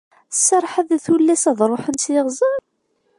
Tserḥeḍ i tullas ad ṛuḥent s iɣzer?